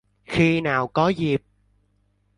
khi nào có dịp